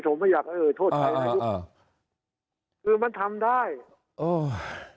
ผมไม่อยากเอ่ยเอ่ยโทษใครอ่าอ่าอ่าคือมันทำได้โอ้ย